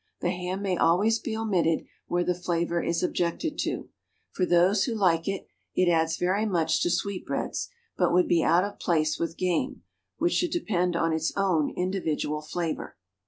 The ham may always be omitted where the flavor is objected to. For those who like it, it adds very much to sweetbreads, but would be out of place with game, which should depend on its own individual flavor.